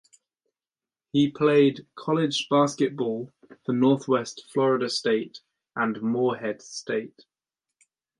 He played college basketball for Northwest Florida State and Morehead State.